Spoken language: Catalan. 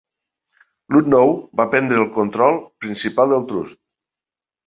Luhnow va prendre el control principal del trust.